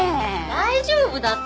大丈夫だったら。